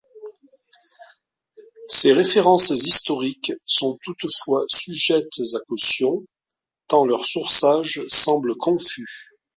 Ces références historiques sont toutefois sujettes à caution, tant leur sourçage semble confus.